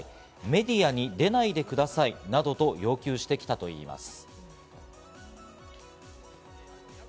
メディアに出ないでくださいなどと要求してきたといいます。